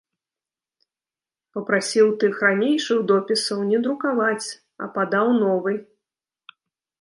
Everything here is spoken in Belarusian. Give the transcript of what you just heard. Папрасіў тых ранейшых допісаў не друкаваць, а падаў новы.